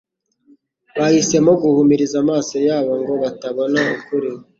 bahisemo guhumiriza amaso yabo ngo batabona ukuri.